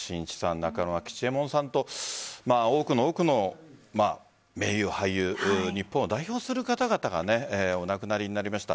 中村吉右衛門さんと多くの名優、俳優日本を代表する方々がお亡くなりになりました。